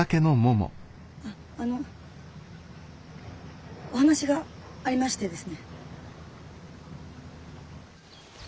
あっあのお話がありましてですね。